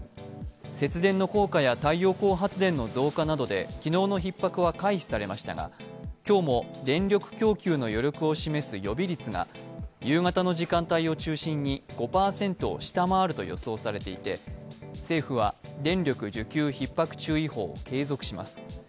節電の効果や太陽光発電の増加などで昨日のひっ迫は回避されましたが今日も電力供給の余力を示す予備率が夕方の時間帯を中心に５％を下回ると予想されていて、政府は電力需給ひっ迫注意報を継続します。